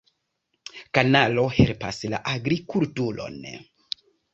Kanalo helpas la agrikulturon.